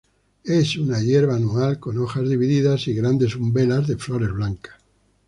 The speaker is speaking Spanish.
Es una hierba anual con hojas divididas y grandes umbelas de flores blancas.